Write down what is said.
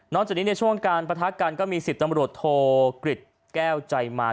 นอกจากนี้ในช่วงการประทักการก็มี๑๐ตำรวจโทรกฤทธิ์แก้วใจมา